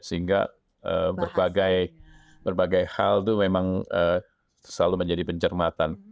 sehingga berbagai hal itu memang selalu menjadi pencermatan